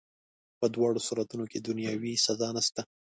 په دواړو صورتونو کي دنیاوي سزا نسته.